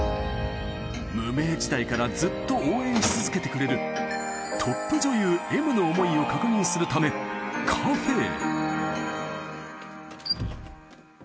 無名時代からずっと応援し続けてくれる、トップ女優Ｍの思いを確認するため、カフェへ。